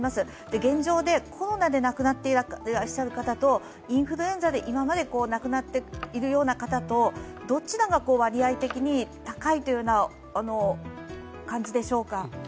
現状でコロナで亡くなっている方とインフルエンザで今まで亡くなっているような方と、どちらが割合的に高いというような感じでしょうか。